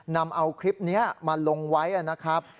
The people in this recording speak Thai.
นำเอาคลิปนี้มาลงไว้นะครับ